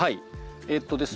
えっとですね